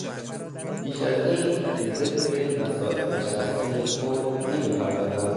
بیش از این به ذکر مسائل شخصی خود نمیپردازم.